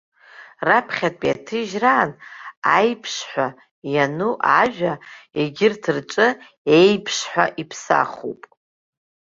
Раԥхьатәи аҭыжьраан аиԥш ҳәа иану ажәа, егьырҭ рҿы еиԥш ҳәа иԥсахуп.